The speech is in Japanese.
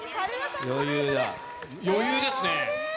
余裕ですね。